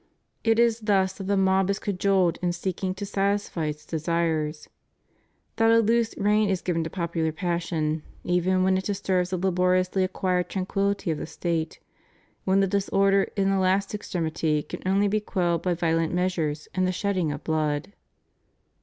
It is thus that the mob is cajoled in seeking to satisfy its desires; that a loose rein is given to popular passion, even when it disturbs the laboriously acquired tranquillity of the State, when the disorder in the last extremity can only be quelled by violent measures and the shedding of blood.